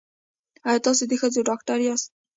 ایا تاسو د ښځو ډاکټر یاست؟